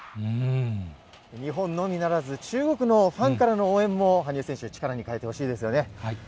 日本のみならず、中国のファンからの応援も、羽生選手、力に変えてほしいですよね。